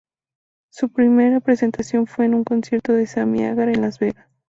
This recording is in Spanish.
Su primera presentación fue en un concierto de Sammy Hagar en Las Vegas.